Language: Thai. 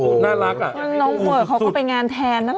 น้องเวิร์คเขาก็เป็นงานแทนน่าล่ะ